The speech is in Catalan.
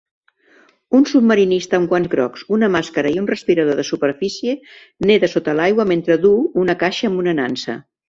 Un submarinista amb guants grocs, una màscara i un respirador de superfície neda sota l'aigua mentre duu una caixa amb una nansa.